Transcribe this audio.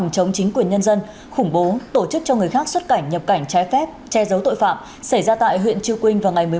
chống chính quyền nhân dân ba mươi chín bị cáo bị xét xử về tội khủng bố